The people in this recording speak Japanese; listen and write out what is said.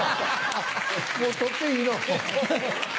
もう取っていいの？